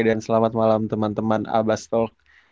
dan selamat malam teman teman abastol